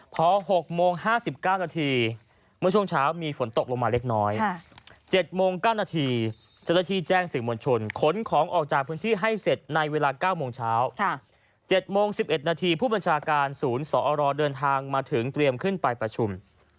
พอ๖โมง๕๙นาทีเมื่อช่วงเช้ามีฝนตกลงมาเล็กน้อย๗โมง๙นาทีเจ้าหน้าที่แจ้งสื่อมวลชนขนของออกจากพื้นที่ให้เสร็จในเวลา๙โมงเช้า๗โมง๑๑นาทีผู้บัญชาการศูนย์สอรเดินทางมาถึงเตรียมขึ้นไปประชุม